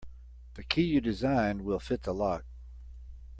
The key you designed will fit the lock.